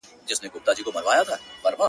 غم به مې سندره کړ